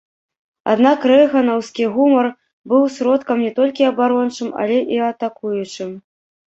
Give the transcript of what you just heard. Аднак рэйганаўскі гумар быў сродкам не толькі абарончым, але і атакуючым.